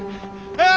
ああ！